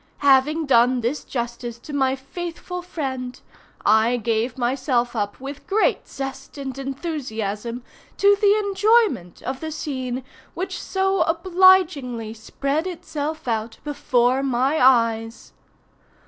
Having done this justice to my faithful friend, I gave myself up with great zest and enthusiasm to the enjoyment of the scene which so obligingly spread itself out before my eyes.